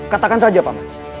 katakan saja pak jajaran